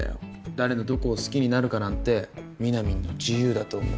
誰のどこを好きになるかなんてみなみんの自由だと思う。